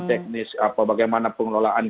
teknis apa bagaimana pengelolaan